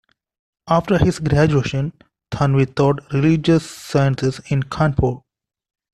After his graduation, Thanwi taught religious sciences in Kanpur.